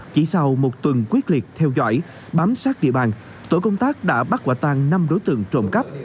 chỉ sau một tuần quyết liệt theo dõi bám sát địa bàn tổ công tác đã bắt quả tang năm đối tượng trộm cắp